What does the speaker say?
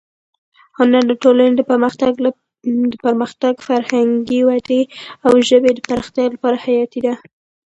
هنر د ټولنې د پرمختګ، فرهنګي ودې او ژبې د پراختیا لپاره حیاتي دی.